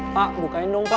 pak bukain dong pak